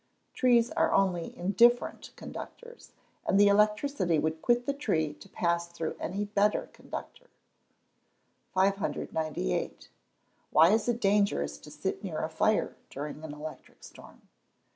_ Trees are only indifferent conductors, and the electricity would quit the tree to pass through any better conductor. 598. _Why is it dangerous to sit near a fire during an electric storm?